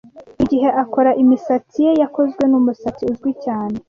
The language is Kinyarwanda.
Buri gihe akora imisatsi ye yakozwe numusatsi uzwi cyane.